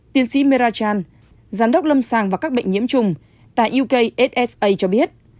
tiến sĩ meera chan giám đốc lâm sàng và các bệnh nhiễm chung tại ukssa cho biết